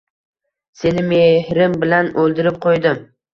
Seni mehrim bilan o‘ldirib qo‘ydim.